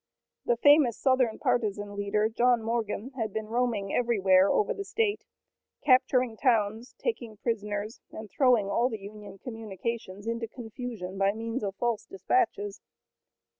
The famous Southern partisan leader, John Morgan, had been roaming everywhere over the state, capturing towns, taking prisoners and throwing all the Union communications into confusion by means of false dispatches.